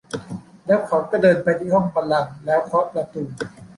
แล้วเขาก็เดินไปที่ห้องบัลลังก์แล้วเคาะประตู